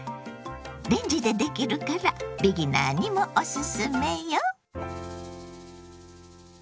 レンジでできるからビギナーにもオススメよ。